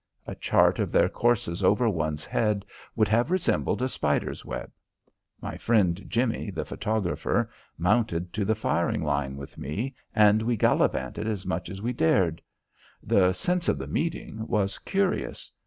A chart of their courses over one's head would have resembled a spider's web. My friend Jimmie, the photographer, mounted to the firing line with me and we gallivanted as much as we dared. The "sense of the meeting" was curious.